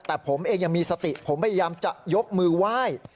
แต่ผมเองยังมีสติผมพยายามจะยกมือไหว้